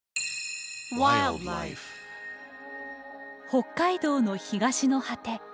北海道の東の果て。